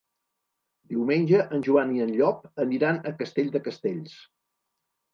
Diumenge en Joan i en Llop aniran a Castell de Castells.